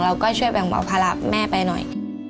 เราก็ช่วยแบ่งเบาภาระแม่ไปหน่อย